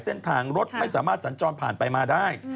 เส้นทางรถไม่สามารถสัญจรผ่านไปมาได้